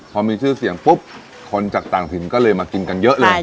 พอมีชื่อเสียงปุ๊บคนจากต่างถิ่นก็เลยมากินกันเยอะเลย